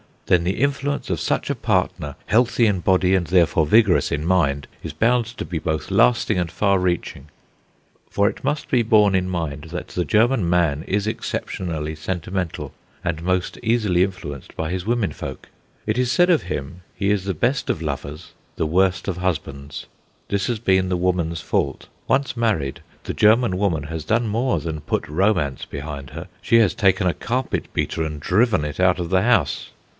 Then the influence of such a partner, healthy in body and therefore vigorous in mind, is bound to be both lasting and far reaching. For it must be borne in mind that the German man is exceptionally sentimental, and most easily influenced by his women folk. It is said of him, he is the best of lovers, the worst of husbands. This has been the woman's fault. Once married, the German woman has done more than put romance behind her; she has taken a carpet beater and driven it out of the house.